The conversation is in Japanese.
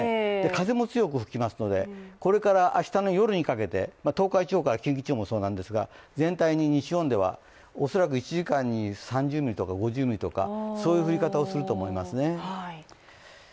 風も強く吹きますのでこれから明日の朝にかけて、東海地方から近畿地方もそうなんですが全体に西日本では、恐らく１時間に３０ミリとか５０ミリとかそういう降り方をすると思いますね。